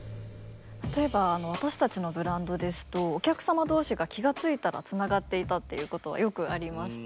例えば私たちのブランドですとお客様同士が気が付いたらつながっていたっていうことはよくありまして。